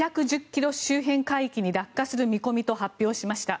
周辺海域に落下する見込みと発表しました。